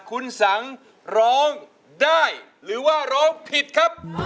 คุณสังร้องได้หรือว่าร้องผิดครับ